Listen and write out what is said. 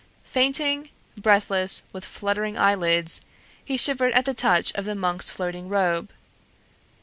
Fainting, breathless, with fluttering eyelids, he shivered at the touch of the monk's floating robe.